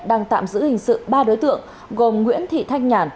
đang tạm giữ hình sự ba đối tượng gồm nguyễn thị thanh nhàn